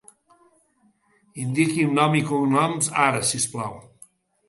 Indiqui'm nom i cognoms ara, si us plau.